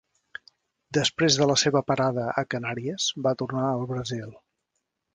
Després de la seva parada a Canàries va tornar al Brasil.